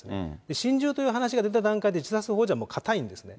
心中という話が出た段階で、自殺ほう助はもう堅いんですよ。